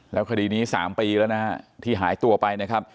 แล้วคดีนี้๓ปีแล้วนะฮะที่หายตัวไปนะครับ